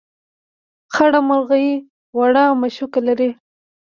خړه مرغۍ وړه مښوکه لري.